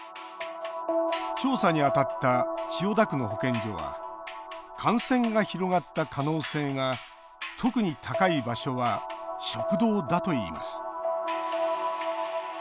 調査に当たった千代田区の保健所は感染が広がった可能性が特に高い場所は食堂だといいます。